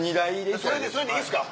それでいいですか？